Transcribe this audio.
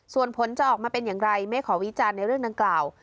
ส่วนผลจะออกมาเป็นอย่างไรไม่ขอวิจารณ์ในเรื่องดังกล่าว